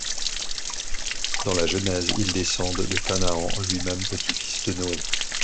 Dans la Genèse, ils descendent de Canaan, lui-même petit-fils de Noé.